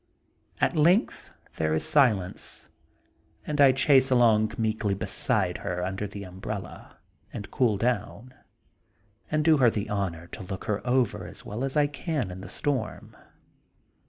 At length there is silence and I chase along meekly beside her under the umbrella, and cool down, and do her the. honor to look her over as well as I can in the storm.